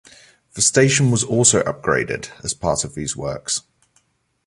The station was also upgraded, as part of these works.